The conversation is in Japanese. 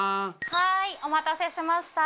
はいお待たせしました。